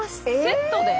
セットで？